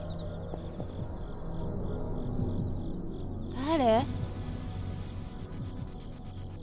誰？